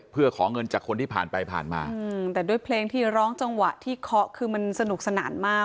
เพื่อขอเงินจากคนที่ผ่านไปผ่านมาแต่ด้วยเพลงที่ร้องจังหวะที่เคาะคือมันสนุกสนานมาก